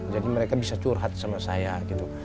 mereka bisa curhat sama saya gitu